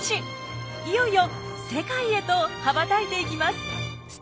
いよいよ世界へと羽ばたいていきます。